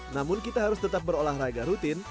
namun kita harus tetap berolahraga rutin